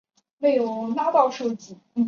这所公立大学的主校园位于莫卡区。